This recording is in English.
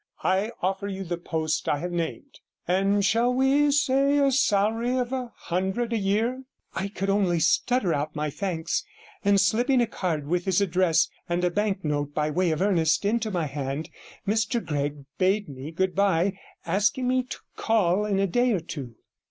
I offer you the post I have named, and shall we say a salary of a hundred a year?' I could only stutter out my thanks, and slipping a card with his address, and a banknote by way of earnest, into my hand, Mr Gregg bade me good bye, asking me to call in a day or two.